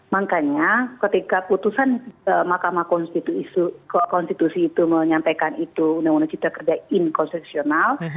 makanya ketika putusan mahkamah konstitusi itu menyampaikan itu kita kerjain konsesional